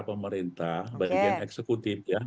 pemerintah bagian eksekutif ya